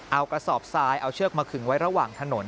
เอากระสอบทรายเอาเชือกมาขึงไว้ระหว่างถนน